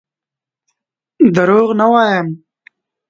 دروغ نه وایم.